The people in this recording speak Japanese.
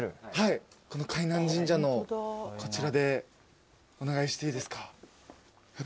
この海南神社のこちらでお願いしていいですか。